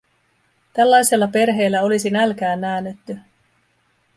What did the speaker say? Tällaisella perheellä olisi nälkään näännytty.